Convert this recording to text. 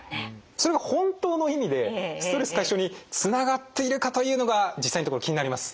それが本当の意味でストレス解消につながっているかというのが実際のところ気になります。